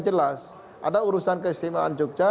jelas ada urusan keistimewaan jogja